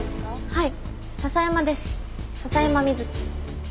はい。